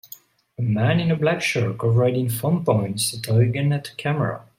A man in a black shirt covered in foam points a toy gun at the camera.